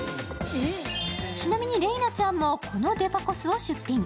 ちなみに麗菜ちゃんもこのデパコスを出品。